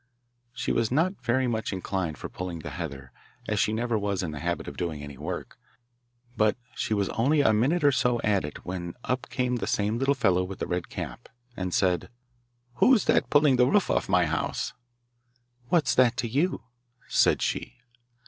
She was not very much inclined for pulling the heather, as she never was in the habit of doing any work, but she was only a minute or so at it when up came the same little fellow with the red cap, and said: 'Who's that pulling the roof off my house?' 'What's that to you?' said she.